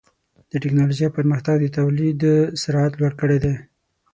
د ټکنالوجۍ پرمختګ د تولید سرعت لوړ کړی دی.